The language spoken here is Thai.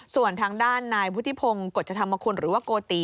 ส่วนทางด้านนายวุฒิพงศ์กฎจธรรมคุณหรือว่าโกติ